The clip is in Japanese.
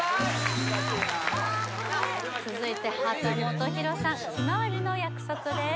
難しいな続いて秦基博さん「ひまわりの約束」です